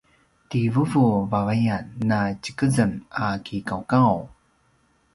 ti vuvu vavayan na tjikezem a kiqauqaung